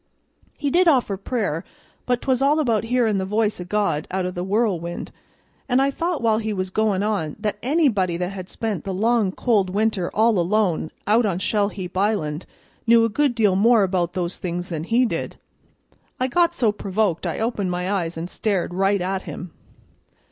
He did offer prayer, but 'twas all about hearin' the voice o' God out o' the whirlwind; and I thought while he was goin' on that anybody that had spent the long cold winter all alone out on Shell heap Island knew a good deal more about those things than he did. I got so provoked I opened my eyes and stared right at him.